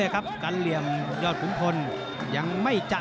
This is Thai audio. มัดซ้ายขอยควา